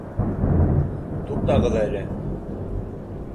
Туҡтағыҙ әле!